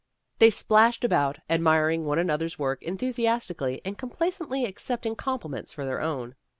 A TRIUMPH OF ART 57 They splashed about, admiring one another's work enthusiastically and complacently ac cepting compliments for their own.